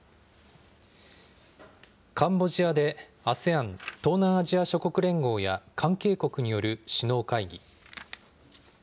カンボジアでＡＳＥＡＮ・東南アジア諸国連合や関係国による首脳会議。